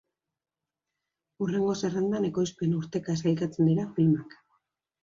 Hurrengo zerrendan ekoizpen-urteka sailkatzen dira filmak.